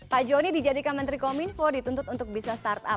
pak johnny dijadikan menteri kominfo dituntut untuk bisa start up